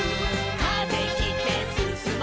「風切ってすすもう」